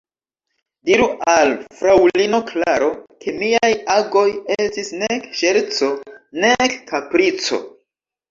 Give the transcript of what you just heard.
Diru al fraŭlino Klaro, ke miaj agoj estis nek ŝerco, nek kaprico.